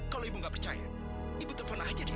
kalau ibu tidak percaya ibu telefon saja dia